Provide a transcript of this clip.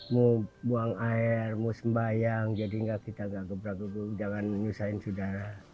mau buang air mau sembahyang jadi kita gak keberaguan jangan menyusahkan saudara